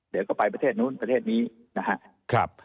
เดี๋ยวก็ไปประเทศนู้นประเทศนี้นะครับ